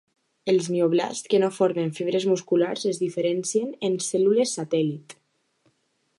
Els mioblasts que no formen fibres musculars es diferencien en cèl·lules satèl·lit.